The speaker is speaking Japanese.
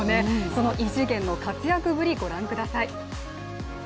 その異次元の活躍ぶり、ご覧ください。